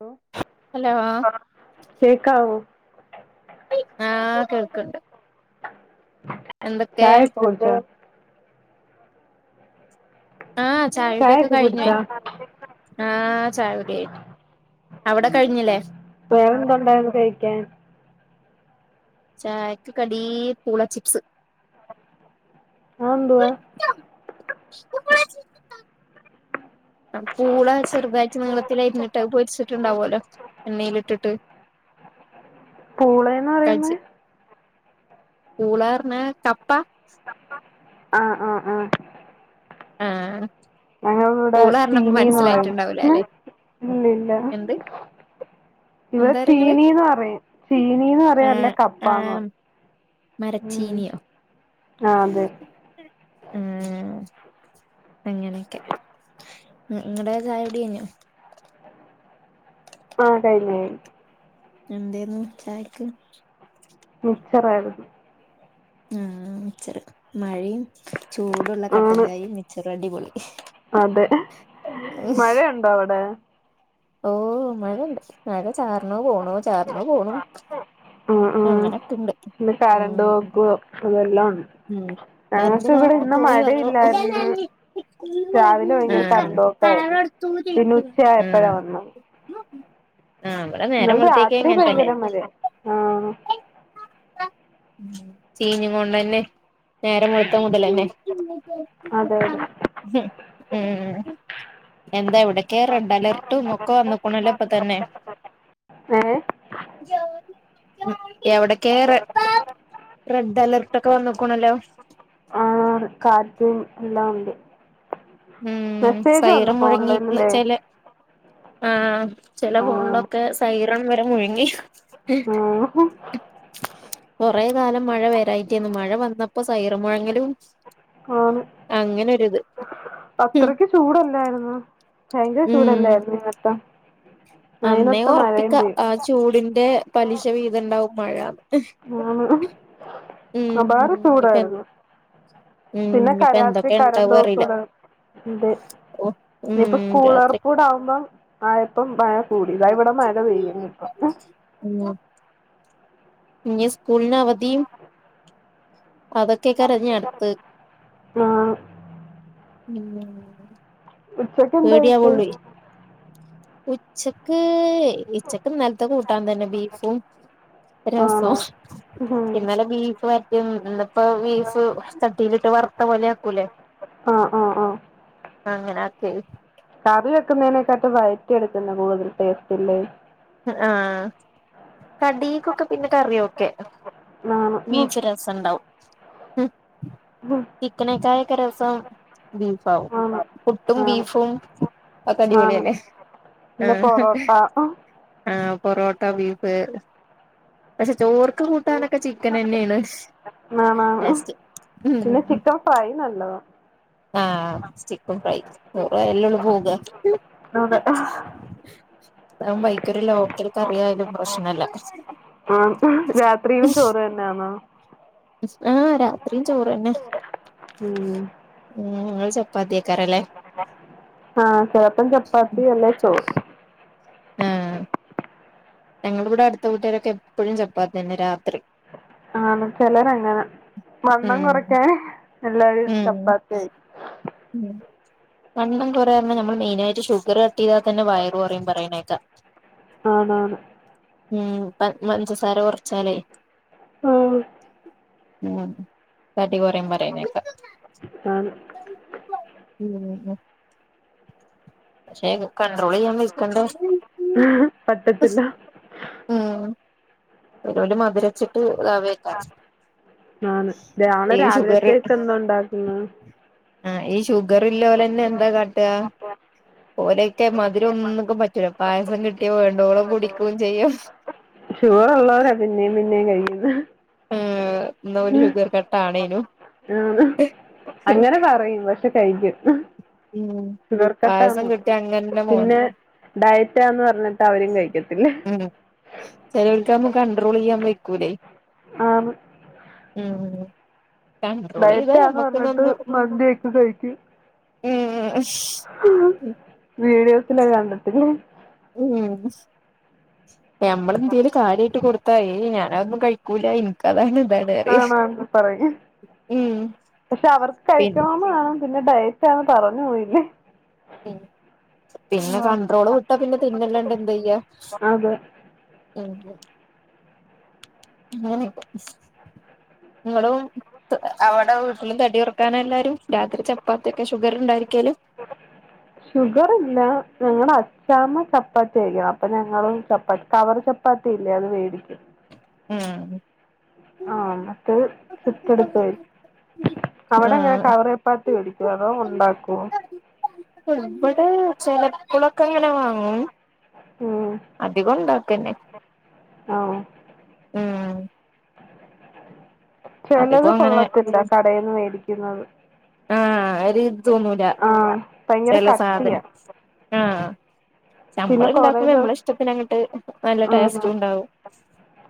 ഹ hello ആ കേക്കാവോ ആ കേൾക്കണ്ട് ചായയ കൊടുച്ച ആ ചായുടിക്കെ ചായൊക്കെ കഴിഞ്ഞേ കുടിച്ചോ ആഹ ചെയ്‌ടി ക അവിടെ കഴിഞ്ഞില്ലേ വേറെന്തുണ്ടായിരുന്നു കഴിക്കാൻ ചായക്ക് കടി പൂള ചിപ്സ് അതെന്തുവാ [unintelligible] പൂള ചെറുതാഴ്ട്ട് നീളത്തിലരുഞ്ഞിട്ട് അത് പൊരിച്ചിട്ടുണ്ടാവുലോ എണ്ണയിലട്ടിട്ട് പൂളന്ന് പറയുന്നെ പുള യെന്നു പറഞ്ഞാ കപ്പാ ആ ആ ആ ആ ഞങ്ങൾ ഇവിടെ ചീനിന്ന് പറയും മനസ്സിലായിട്ടുണ്ടാവൂല അല്ലെ ഇല്ലല്ല എന്ത് ഇവിടെ എന്താ പറയാ ഇങ്ങള് ചീനീന്ന് പറയും ചീനീന്ന് പറയും ല്ലേ ആഹ് കപ്പന്ന് ആഹ് പറയും മരച്ചീനിയോ ആ അതെ ആഹ് അങ്ങനെയൊക്കെ നിങ്ങടെ ചായ കുടി കഴിഞ്ഞോ ഹാ കയിഞ്ഞു കയിഞ്ഞു എന്തേന്നു ചായക്ക് മിച്ചറായിരുന്നു ഹാ ആ മിച്ചറ് മഴയും ചൂടുള്ള കട്ടൻ ആണ് ചായയും മിച്ചറും അടിപൊളി അതെ മഴയുണ്ടോ അവിടെ ഓ മഴണ്ട് മഴ ചാറണ് പോണ് ഉംഉം അങ്ങനൊക്കെണ്ട് പിന്നെ കറണ്ട് ഉം പോക്കും അതെല്ലാം ഉണ്ട് ഉം ഞങ്ങൾക്ക് ഇവിടെ [unintelligible] ഇന്ന് പോയി മഴയില്ലായിരുന്നു വന്നു രാവിലെ ഭയങ്കര കറണ്ട് ഹാ പോക്കായിരുന്നു ഹാ പിന്നെ ഉച്ചയായപ്പോഴാ വന്നത് ഇന്നലെ രാത്രി ഇങ്ങനെ തന്നെ ഭയങ്കര മഴയാ ആ ചീഞ്ഞ് കൊണ്ടെന്നെ നേരം വെളുത്ത മുതലന്നെ അതെ ഉം അതെ എന്താ ഇവി [unintelligible] അലർട്ടും ഒക്കൊ വന്ന്ക്ക്ണല്ലോ ഇപ്പൊ തന്നെ ഏഹ് [unintelligible] എവിടെക്കേ റെ റെഡ് അലർട്ടൊക്കെ വന്ന് [unintelligible] ആ കാറ്റും ല്ലാം ഉണ്ട് ഉം മെസ്സേജ് വന്നു സൈറം മൊഴങ്ങി ന്ന് ഫോണിലല്ലേ ചെല ആ ചെല ഫോൺലൊക്കെ സൈറം മുഴ്ങ്ങി ഹാ കൊറേ കാലം മഴ വരായിറ്റേന്ന് മഴ വന്നപ്പോ സൈറം മൊഴങ്ങലും അങ്ങനൊരിത് ഉം അത്രക്കു ചൂട് അല്ലാരുന്നോ ഭയങ്കര ഉം ചൂട് അല്ലാരുന്നോ അപ്പം അന്നേ ഒറപ്പിക്ക ആ ചൂടി ന്റെ പലിശ പെയ്തു വീതം ണ്ടാവും മഴ അബാര ചൂടാരുന്നു ഉം പിന്നെ ക ഇനിപ്പ രാത്രി എന്തൊക്കെ ഉണ്ടാവും അറിയില്ല കരണ്ടോക്കൂടെ ഇണ്ട് ഓ ഇനിയിപ്പോ ഉം രാത്രി സ്കൂളൊർപ്പൂടെ ആകുമ്പോം ആയപ്പം [unintelligible] [unintelligible] ഇവിടെ മഴ പെയ്യ്ന്നു ഇപ്പം ഉം ഇനി സ്കൂളിന് അവധിം അതൊക്കെ കരഞ്ഞ് അടുത്ത് ആ ഉം ഉച്ചക്ക് എന്താ കഴിച്ചേ പേടിയാവുള്ളൂ ഉച്ചക്ക് ഉച്ചക്ക് ഇന്നലത്തെ കൂട്ടാൻ തന്നെ ബീഫും ആണോ രസോം ഉം ഫ് വരട്ടിയത് ഇന്നിപ്പോ ബീഫ് ചട്ടിലിട്ട് വറുത്ത പോലെ ആക്കൂലേ ആ ആ ആ അങ്ങനെ ആ ക്കി കറി വെക്കുന്നേനെക്കാട്ട് വഴറ്റി എടുക്കുന്ന കൂടുതൽ ടേസ്റ്റ്ല്ലേ ആഹ് കടിക്കൊക്കെ പിന്നെ കറിയൊക്കെ ആണ് ഉം വീച്ച രസണ്ടാവും ഉം ഉം ചിക്കനേകായൊക്കെ രസം ബീഫാവും ആണ് പുട്ടും ആണ് ബീഫും ഒക്കെ അടിപൊളിയല്ലേ [unintelligible] പിന്നെ പൊറോട്ട ആ പൊറോട്ട ബീഫ് പക്ഷെ ചോറ്ക്ക് കൂട്ടാനൊക്കെ ചിക്കനെന്നെയാണ് ആണാണ് പിന്നെ ചിക്കൻ ഫ്രൈ നല്ലതാ ആ ചിക്കൻ ഫ്രൈ [unintelligible] അതെ ആഹ് അതാവുമ്പോ അയ്ക്കൊരു ലോക്കൽ കറിയായലും പ്രശ്നല്ല. ആ രാത്രിയും ചോറ് തന്നെയാന്നോ ആ രാത്രിയും ചോറന്നെ ഉം ഉം ങ്ങള് ചപ്പാത്തിക്കാരല്ലേ ആ ചെലപ്പം ചപ്പാത്തി അല്ലേ ചോറ് ആഹ് ഞങ്ങളിവിടെ അടുത്ത വീട്ടുകാരൊക്കെ എപ്പഴും ചപ്പാത്തിന്നെ രാത്രി ആന്നും ചെലരങ്ങനാ ഉം വണ്ണം കൊറക്കാ എല്ലാരും ഉം ചപ്പാത്തി ആയി ഉം വണ്ണം കൊറെയാറഞ്ഞ നമ്മള് മെയിനായിട്ട് ഷുഗർ കട്ടീതാ തന്നെ വയറ് കൊറയും പറയണേക്കാ ആണ് ആണ് ഉം പ പഞ്ചസാര കുറച്ചാലേ ആഹ് ഉം തടി കൊറയും പറയണേക്ക ആഹ് ഉം ഉം പക്ഷെ കൺട്രോള് ചെയ്യാൻ നിക്കണ്ടേ ഉം പറ്റത്തില്ല [unintelligible] മധുരിച്ചിട്ട് താവേകാരം ആന്ന് രാവിലെ രാവിലത്തേക്ക് എന്താ ഉണ്ടാക്കുന്നേ ആ ഈ ഷുഗറ് ഇല്ലോലെന്നെ എന്താ കാട്ടാ ഓലേക്ക് മധുരൊന്നുക്കും പറ്റൂല പായസം കിട്ടിയാ വേണ്ടോളം കുടിക്കും ചെയ്യും ഷുഗർ ഉള്ളോരാ പിന്നേം പിന്നേം കഴിക്കുന്നെ ആ ന്നഓൽ ഷുഗർ കട്ട്‌ ട്ടാണേനു [inaudible] ആഹ് അങ്ങനെ പറയും പക്ഷെ കഴിക്കും ഉം [inaudible] പായസം ഷുഗർക്കട്ടാന്ന് കിട്ടിയ അങ്ങന്നെ പിന്നെ മോന്തും ഡയറ്റാന്ന് പറഞ്ഞിട്ട് അവരും കഴിക്കത്തില്ല - കണ്ട്രോൾ ചെയ്യാൻ വെയ്ക്കൂലേ ആന്ന് മ്.. ഡയറ്റാന്ന് പറഞ്ഞ്ട്ട് മന്തിയെക്കെ കഴിക്കും [inaudible] മ്മ് [inaudible] തില് കണ്ടിട്ടില്ല മ് ഞമ്മളെന്തേലും കാര്യായിട്ട് കൊടുത്താ ഏയ്‌ ഞാനതൊന്നും കഴിക്കൂല ഇന്ക്കതാണ് [unintelligible] ആണാ പറയ് ഉം പക്ഷെ അവർക്ക് പിൻ കഴിക്കണോന്ന് കാണും പിന്നെ ഡയറ്റാന്ന് പറഞ്ഞു പോയില്ലേ പിന്നെ കൺണ്ട്രോള് വിട്ടാ പിന്നെ തിന്നല്ലാണ്ട് എന്തായ്യാ അതെ [inaudible] ങ്ങനെ ങ്ങളും ത അവടെ വീട്ടിലും തടി കുറക്കാനാ എല്ലാരും രാത്രി ചപ്പാത്തിയൊക്കെ ഷുഗർ ഷുഗർ ഇല്ല ഞങ്ങടെ അച്ചാമ്മ ചപ്പാത്തി കയിക്കണം അപ്പൊ ഞങ്ങളും ചപ്പാത്തി കവർ ചപ്പാത്തി ഇല്ലേ അത് വേടിക്കും മ് ആഹ് മറ്റേത് ചുറ്റെട്ക്കുവാ അവിടെങ്ങനെ ആഹ് കവർ ചപ്പാത്തി മേടിക്കോ അതോ ഉണ്ടാക്കുവോ ഇവിടെ ചെലപ്പോളൊക്കെ അങ്ങനെ വാങ്ങും മ് അധികം ഉണ്ടാക്കന്നെ ആഹ് മ്.. ചെലത് അങ്ങനെ കൊള്ളത്തില്ല കടേന്ന് മേടിക്കു ക്കുന്നത് ആഹ് ഒരിത് തോന്നൂല ആഹ് ഭയങ്കര ചില കട്ടിയാ സാധനം ആഹ് പിന്നെ നമ്മള് കൊറേ ഉണ്ടാക്കുമ്പോ നമ്മളെ ദിവസം ഇഷ്ടത്തിന് അങ്ങട്ട് നല്ല ആഹ് ടേസ്റ്റും ഉണ്ടാവും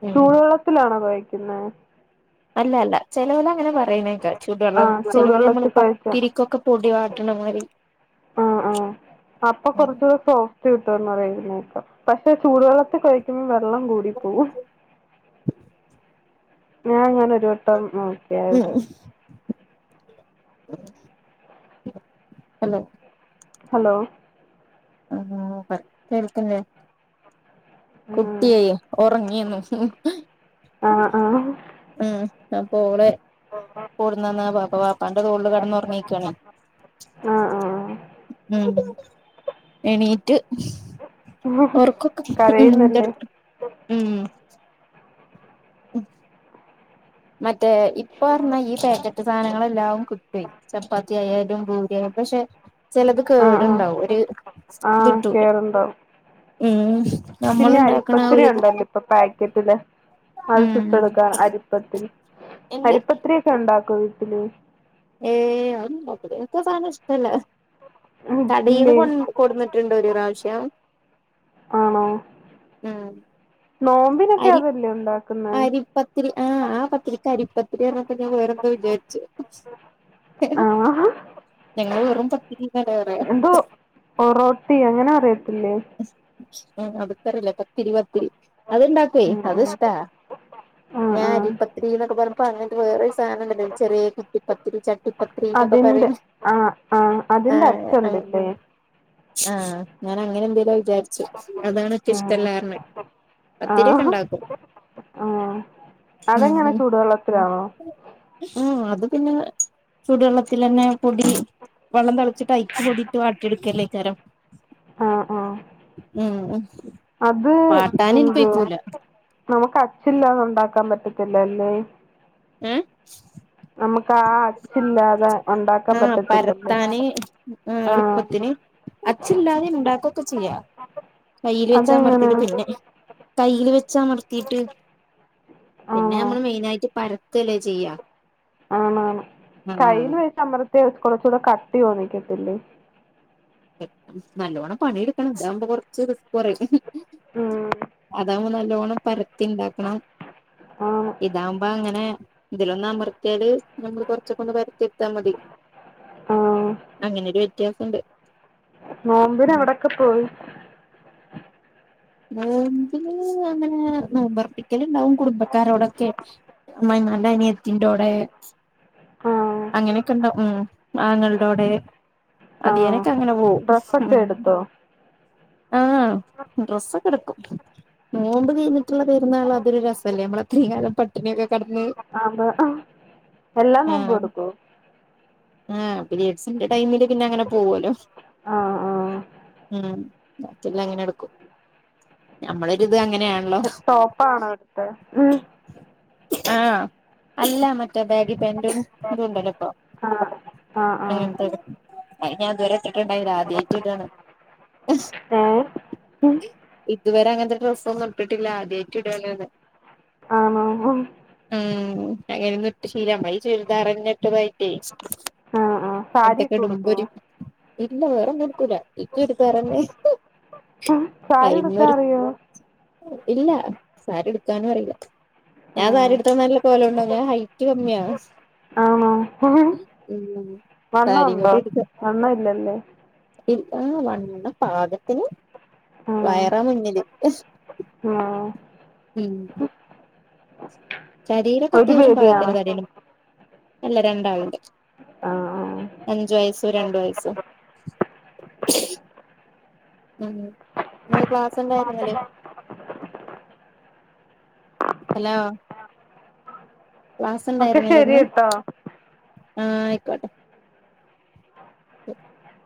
ഉം ചൂടുവെള്ളത്തിലാണോ കൊഴക്ക്ന്നേ അല്ലാ അല്ല ചെലോലങ്ങനെ പറയ്ണേക്കാ ചൂടു വെള്ളം ആഹ് ചെലോല് ഞമ്മള് ചൂടുവെള്ളത്തി കൊഴച്ച പത്തിരിക്കൊക്കെ പൊടി വാട്ട്ണ മായ്രി ആഹ് ഫ്റ്റ് കിട്ടുംന്ന് പറയ്ന്നെ കേക്കാം പക്ഷെ ചൂട് വെള്ളത്തി കൊയയ്ക്കുമ്പം വെള്ളം കൂടി പോവും ആ ഞാനാെ ര്ട്ടം നോക്ക്യാര്ന്ന് ഉം ഹലോ ഹലോ ആഹ് പറി കേൾക്ക്ല്ലേ ഉം കുട്ടിയേ ഒറങ്ങീന്നു ആഹ് ആഹ് മ് അപ്പ ഓളെ കൂടുന്നന്നാ വാപ്പ വാപ്പാന്റെ തോളിൽ കടന്ന് ഉറങ്ങീക്കാണേ ആഹ് ഉം എണീറ്റ് ആഹ് ഉറക്കൊക്കെ കരയുന്നല്ലേ ഉം [unintelligible] ഉം മ റ്റേ ഇപ്പർഞ്ഞാൽ ഈ പാക്കറ്റ് സാധങ്ങളെല്ലാം കിട്ടുവേ ചപ്പാത്തിയാലും ഭൂരിയായി പക്ഷെ ചിലത് ആഹ് ആഹ് കേടുണ്ടാവും ഒരു ഇത് ആഹ് കിട്ടൂല കേറുണ്ടാവും ഉം നമ്മള് പിന്നെ ഉണ്ടാക്കണ ആ അരിപ്പത്തിരി ഒരിത് ഉണ്ടല്ലോ ഇപ്പൊ പാക്കറ്റില് അത് ഉം ചുട്ടെടുക്ക അരിപ്പത്തിരി എന്ത് അരിപ്പത്തിരിയൊക്കെ ഉ ണ്ടാക്കോ വീട്ടില് ഏ അഒന്നും ഉണ്ടാക്കൂല്ല ഇൻക്കാ സാധനം ഇഷ്ടല്ല കടീന്ന് ഇല്ലേ കൊ കൊണ്ട്ന്നിട്ട്ണ്ട് ഒര് പ്രാവശ്യം ആണോ ഉം മ്പിനൊക്കെ അതല്ലേ ഉണ്ടാ അരി പത്തിരി ആഹ് ആഹ് പത്തിരി ക അരിപത്തിരി അറ്നാ ഞാൻ വേറെന്തോ വിചാര്ച്ച് ഏഹ് ആഹ് ഞങ്ങള് [unintelligible] പറയാ എന്തോ പൊറോട്ടി അങ്ങനെ പറി ത്തില്ലേ ആഹ് ഇത്ക്കറില പത്തിരി പത്തിരി അത് ഇണ്ടാക്ക്വേ ഉം അത് ഉം ഇഷ്ടാ ഞാ ആഹ് ആഹ് അരിപ്പത്രി ന്നൊക്കെ പറഞ്ഞപ്പോ അങ്ങൻത്തെ വേറൊരു സാധനംണ്ടല്ലോ ചെറ്യേ കുട്ടി പത്തിരി ചട്ടി അതിന്റെ ആ ആ അതിന്റെ അച്ച് ണ്ടല്ലേ ആഹ് ഞാൻ അങ്ങനെ എന്തേലും വിചാരിച്ചു അതാണ് ക്ക് ഉം ഇഷ്ടല്ലാർഞ്ഞെ പത്തിരി ഒക്കെ ആഹ് ണ്ടാക്കും ആഹ് അതെങ്ങനെ ഉം ചൂടുവെള്ളത്തിലാണോ ഉം അത് പിന്നെ ചൂടുവെള്ളത്തിലന്നെ പൊടി വെള്ളം തൾ ച്ച്ട്ടൈക്ക് പൊടിയിട്ട് വാട്ടിയെടുക്കല്ലേ തരം ആഹ് ആഹ് ഉം ഉം അത് നമുക്ക് അച്ചില്ലാതെ ഉണ്ടാക്കാൻ പറ്റ ല്ലല്ലേ ഏ കാ അച്ചില്ലാതെ ഉണ്ടാക്കാൻ ആഹ് പറ്റത്തില്ലല്ലേ പരത്താന് ആ ആഹ് എളുപ്പത്തിന് അച്ചില്ലാതെ ഉണ്ടാക്കൊക്കെ ചെയ്യാ കയ്യിൽ അതെങ്ങനെ വെച്ചമർത്തിട്ട് പിന്നെ കയ്യിൽ വെച്ചമർത്തിട്ട് പിന്നെ ആണോ നമ്മൾ മെയിൻ ആയിട്ട് പര തെല്ലെ ചെയ്യ ആണാണ് കയ്യിൽ വെച്ചമ്മർ കുറച്ചൂടി കട്ടി തോന്നിക്കത്തില്ലേ നല്ലൊണം പണിയെടുക്കണം ഇതാവകുമ്പോ കൊറച്ച് റിസ്ക് കുറയും ഉം അതവുമ്പോ ലോണം പരത്തി ഉണ്ടാക്കണം ആണ് ഇതാവുമ്പ അങ്ങനെ ഇതിലൊന്ന് അമർത്തിയാല് നമ്മള് കുറച്ചൊക്കെ ഒന്ന് പരത്തിയെടുത്ത മതി ആഹ് അങ്ങനൊരു വ്യത്യാസമുണ്ട് നോമ്പിന് എവിടക്കെ പോയി ഏഹ് പിന്നെ അങ്ങനെ നോമ്പർപ്പിക്കൽ ഉണ്ടാവും കുടുംബക്കാരോടൊക്കെ ഉമ്മമാന്റെ അനിയത്തിന്റോടെ ആഹ് അങ്ങനെയൊക്കെ ഉണ്ടാവും ഉം ആങ്ങളൻ്റോടെ അതിന്നേ ആഹ് ക്കഅങ്ങനെ പോവും ഡ്രസ്സൊക്കെ എടുത്തോ ആഹ് ഡ്രസ്സൊക്കെ എടുക്കും നോമ്പ് കഴിഞ്ഞിട്ടുള്ള പെരുന്നാള് അതൊരു രസല്ലേ നമ്മൾ അത്രയും കാലം പട്ടിണിയൊക്കെ കിടന്ന് അതാ എല്ല നോമ്പും എടുക്കുവോ ആ പിരിഡ്സിന്റെ ടൈമില് പിന്നെ അങ്ങനെ പോവോലോ ആഹ് ആഹ് ഉം മറ്റേല്ലാം അങ്ങനെ എടുക്കും നമ്മളൊരിത് അങ്ങനെയാണ് ടോപ്പാണോ എടുത്തെ ഉം ആ അല്ല മറ്റേ ബാഗി പാൻറും ഇതുണ്ടല്ലോ ഇപ്പൊ ആഹ് ആഹ് ആ ആഹ് അത് ഞാൻ ഇതുവരെ ഇട്ടിട്ടുണ്ടായില്ല ആദ്യായിട്ട് ഇടാണ്‌ ഏഹ് ഉം ഇതുവരെ അങ്ങനത്തെ ഡ്രസ്സൊന്നും ഇട്ടിട്ടില്ല ആദ്യായിട്ട് ഇടുവാണ്ന്ന് ആണോ ഉം ഉം അങ്ങനെയൊന്നും ഇട്ടു ശീലം നമ്മളീ ചുരിദാറന്നെ ഇട്ടു പോയിട്ടേ ആഹ് ആഹ് ത്തൊക്കെ സാരിയൊക്കെ ഉടുക്കോ ഇടുമ്പൊരു ഇല്ല വേറൊന്നു ഉടുക്കൂല്ല ഈ ചുരിദാറന്നെ സാരി ഉടുക്കാൻ അറിയോ ഇല്ല സാരി ഉടുക്കാനും അറിയില്ല ഞാൻ ഉം സാരി ഉടുത്ത നല്ല കോലം ഉണ്ടോ ഞാൻ ഹൈറ്റ് കമ്മിയ ഉം സാരിയും വണ്ണോണ്ടോ വണ്ണവില്ലല്ലേ ആഹ് വണ്ണം പാകത്തിന് വയറാ മുന്നില് ആ ഉം ശരീരൊക്കെ ഒരു അത്യാവശ്യം ബേബിയാണോ പാകത്തിനു താടിയെന്നെ അല്ല രണ്ടാള്ണ്ട് ആഹ് ആഹ് അഞ്ചു വയസ്സും രണ്ട് വയസ്സും ഉം ഇന്ന് ക്ലാസ് ണ്ടായിരുന്നില്ലേ ഹലോ ക്ലാസ് ഒക്കെ ഉണ്ടായിരുന്നില്ലേ ശെരി ഇന്ന് ട്ടോ ആ ആയിക്കോട്ടെ [inaudible]